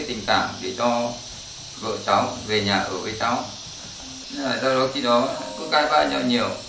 cũng không biết sợ cứ câu này câu kia nói nặng